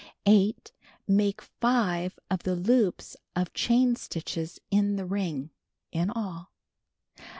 S. Make 5 of the loops of chain stitches in the ring (in all).